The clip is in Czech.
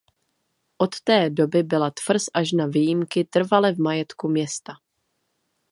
Od té doby byla tvrz až na výjimky trvale v majetku města.